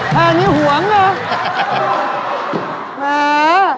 ถ้านี้ห่วงหรือ